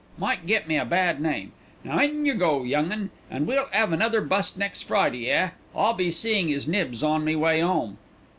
Might get me a bad name. Now in yer go, young 'un, an' we'll 'ave another bust next Friday, eh? I'll be seein' 'is nibs on me way 'ome."